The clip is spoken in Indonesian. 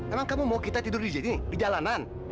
emang kamu mau kita tidur di jalanan